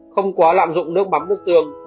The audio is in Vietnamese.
không quá lạm dụng nước mắm nước tương